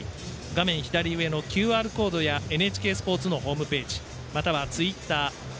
画面左上のＱＲコードやＮＨＫスポーツのホームページ、またはツイッター「＃